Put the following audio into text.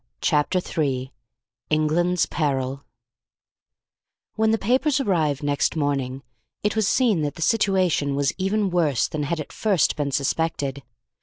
Chapter 3 ENGLAND'S PERIL When the papers arrived next morning, it was seen that the situation was even worse than had at first been suspected.